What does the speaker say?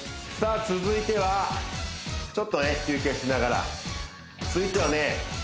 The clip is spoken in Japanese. あ続いてはちょっとね休憩しながら続いてはね